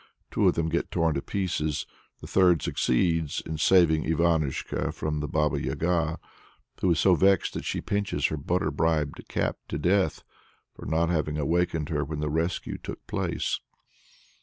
Two of them get torn to pieces; the third succeeds in saving Ivanushka from the Baba Yaga, who is so vexed that she pinches her butter bribed cat to death for not having awakened her when the rescue took place.